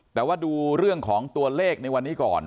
แต่ว่าดูเรื่องของตัวเลขในวันนี้ก่อน